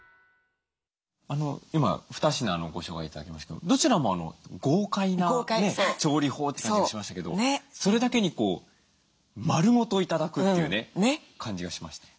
今二品のご紹介頂きましたけどどちらも豪快な調理法って感じがしましたけどそれだけに丸ごと頂くっていうね感じがしました。